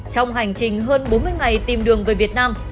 trong hành trình hơn bốn mươi ngày tìm đường về việt nam